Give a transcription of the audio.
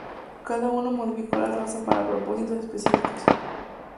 Cada uno modificó la raza para propósitos específicos.